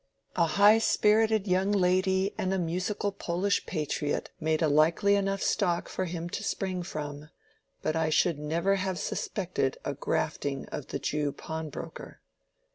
A high spirited young lady and a musical Polish patriot made a likely enough stock for him to spring from, but I should never have suspected a grafting of the Jew pawnbroker.